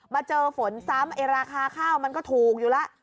เจอฝนซ้ำไอ้ราคาข้าวมันก็ถูกอยู่แล้ว